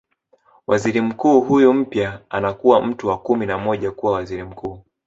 Waziri mkuu huyu mpya anakuwa mtu wa kumi na moja kuwa Waziri Mkuu